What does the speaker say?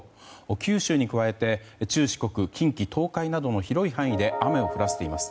九州に加えて中四国近畿・東海などの広い範囲で雨を降らせています。